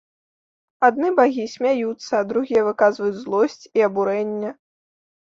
Адны багі смяюцца, а другія выказваюць злосць і абурэнне.